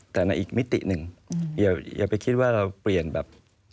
แต่ในอีกมิติหนึ่งอย่าไปคิดว่าเราเปลี่ยนแบบ